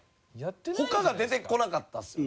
他が出てこなかったっすね。